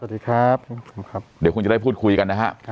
เดี๋ยวคุณจะได้พูดคุยกันนะฮะ